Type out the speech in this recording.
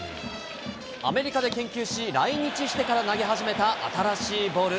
アメリカで研究し、来日してから投げ始めた新しいボール。